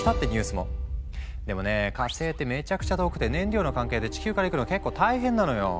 でもね火星ってめちゃくちゃ遠くて燃料の関係で地球から行くの結構大変なのよ。